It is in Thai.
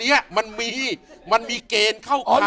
เดินอันนี้มันมีเกณฑ์เข้าข้าง